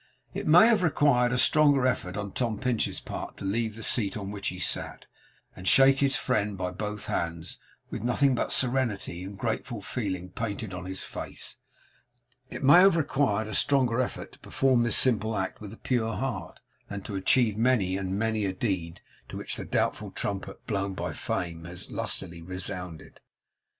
It may have required a stronger effort on Tom Pinch's part to leave the seat on which he sat, and shake his friend by both hands, with nothing but serenity and grateful feeling painted on his face; it may have required a stronger effort to perform this simple act with a pure heart, than to achieve many and many a deed to which the doubtful trumpet blown by Fame has lustily resounded.